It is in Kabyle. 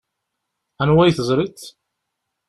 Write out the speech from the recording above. Anwa i teẓṛiḍ?